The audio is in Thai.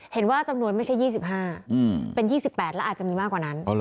เห็นว่าจำนวนไม่ใช่๒๕เป็น๒๘แล้วอาจจะมีมากกว่านั้น